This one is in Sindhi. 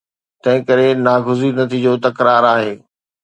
تنهنڪري ناگزير نتيجو تڪرار آهي.